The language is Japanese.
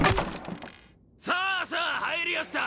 さあさあ入りやした！